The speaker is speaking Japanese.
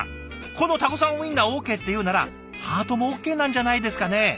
このタコさんウインナーオーケーっていうならハートもオーケーなんじゃないですかね？